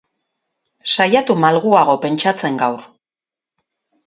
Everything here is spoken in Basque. Saiatu malguago pentsatzen gaur.